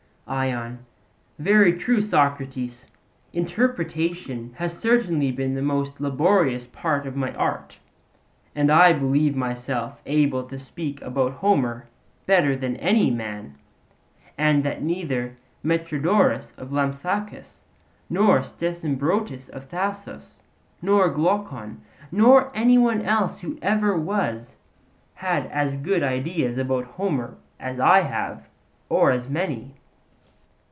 ION: Very true, Socrates; interpretation has certainly been the most laborious part of my art; and I believe myself able to speak about Homer better than any man; and that neither Metrodorus of Lampsacus, nor Stesimbrotus of Thasos, nor Glaucon, nor any one else who ever was, had as good ideas about Homer as I have, or as many.